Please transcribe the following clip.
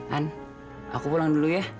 an aku pulang dulu ya